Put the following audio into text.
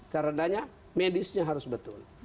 karenanya medisnya harus betul